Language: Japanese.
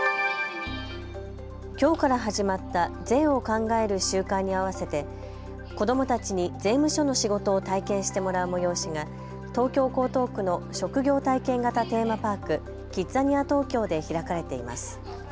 きょうから始まった税を考える週間に合わせて子どもたちに税務署の仕事を体験してもらう催しが東京江東区の職業体験型テーマパーク、キッザニア東京で開かれています。